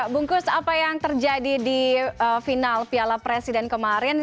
bungkus apa yang terjadi di final piala presiden kemarin